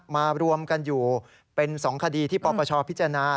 มารวมกันอยู่เป็น๒คดีที่ปปชพิจารณา